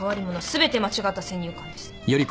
全て間違った先入観です。